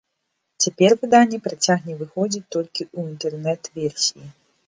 Цяпер выданне працягне выходзіць толькі ў інтэрнэт-версіі.